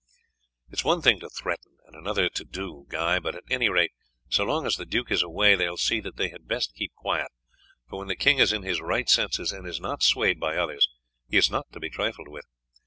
"It is one thing to threaten, and another to do, Guy; but at any rate, so long as the duke is away they will see that they had best keep quiet; for when the king is in his right senses and is not swayed by others, he is not to be trifled with.